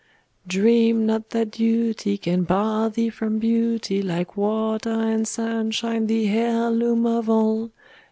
Dream not that duty can bar thee from beauty, Like water and sunshine, the heirloom of all.